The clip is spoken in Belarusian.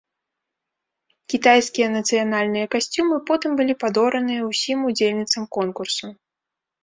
Кітайскія нацыянальныя касцюмы потым былі падораныя ўсім удзельніцам конкурсу.